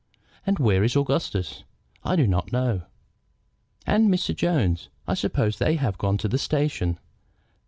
"And where is Augustus?" "I do not know." "And Mr. Jones? I suppose they have not gone to the station.